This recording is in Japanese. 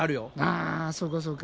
あそうかそうか。